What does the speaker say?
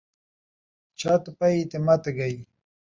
چھت پئی تے مت ڳئی